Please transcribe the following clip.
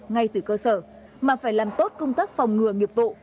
ngay từ cơ sở mà phải làm tốt công tác phòng ngừa nghiệp vụ